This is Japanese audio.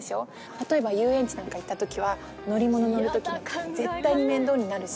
例えば遊園地なんか行ったときは乗り物乗るときに絶対に面倒になるし